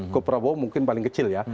ku prabowo mungkin paling kecil ya